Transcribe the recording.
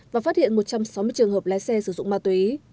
và phát hiện một trăm sáu mươi trường hợp lái xe sử dụng ma túy